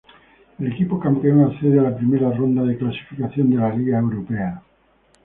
El equipo campeón accede a la primera ronda de clasificación de la Liga Europa.